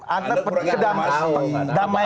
anda ke damai